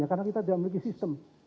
karena kita tidak memiliki sistem